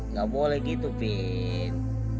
nggak boleh gitu vin